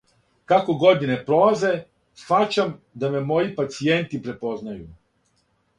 "Како године пролазе, схваћам да ме моји "пацијенти" препознају."